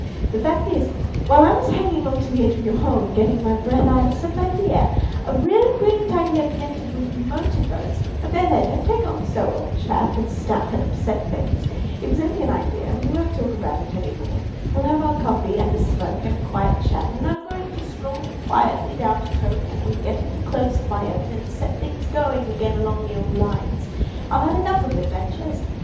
The fact is, while I was hanging on to the edge of your hole and getting my breath, I had a sudden idea—a really brilliant idea—connected with motor boats—there, there! don't take on so, old chap, and stamp, and upset things; it was only an idea, and we won't talk any more about it now. We'll have our coffee, and a smoke, and a quiet chat, and then I'm going to stroll quietly down to Toad Hall, and get into clothes of my own, and set things going again on the old lines. I've had enough of adventures.